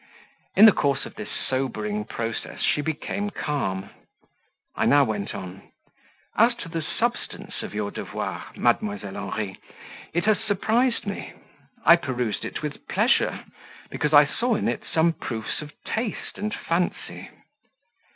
In the course of this sobering process she became calm. I now went on: "As to the substance of your devoir, Mdlle. Henri, it has surprised me; I perused it with pleasure, because I saw in it some proofs of taste and fancy.